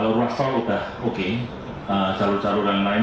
ruas tol sudah oke jalur jalur yang lain